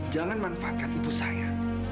jangan manfaatkan ibu saya